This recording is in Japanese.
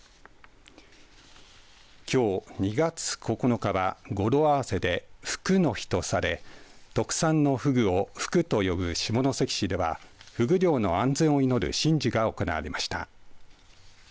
きょう２月９日は語呂合わせで、ふくの日とされ特産のふぐをふくと呼ぶ下関市はふぐ漁の安全を祈る神事が行われました。